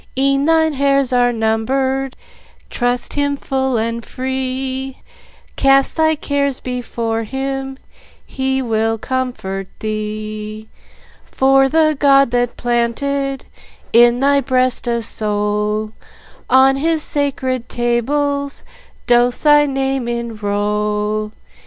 E'en thy hairs are numbered; trust Him full and free, Cast thy cares before Him, He will comfort thee; For the God that planted in thy breast a soul, On his sacred tables doth thy name enroll.